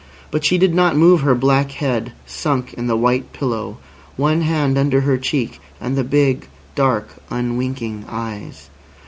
But she did not move her black head sunk in the white pillow one hand under her cheek and the big, dark, unwinking eyes.